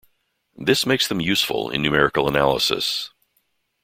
This makes them useful in numerical analysis.